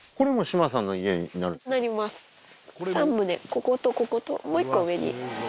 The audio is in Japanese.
こことここともう１個は上に。